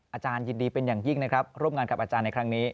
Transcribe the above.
อาจารย์ยินดีเป็นอย่างยิ่งนะครับร่วมงานกับอาจารย์ในครั้งนี้